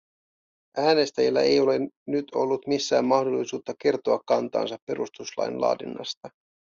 Äänestäjillä ei ole nyt ollut missään mahdollisuutta kertoa kantaansa perustuslain laadinnasta.